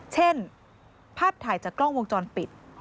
เช่นภาพถ่ายจากกล้องวงจรปิด